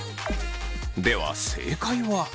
では正解は。